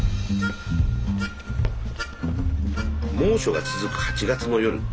猛暑が続く８月の夜